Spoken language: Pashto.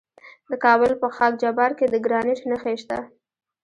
د کابل په خاک جبار کې د ګرانیټ نښې شته.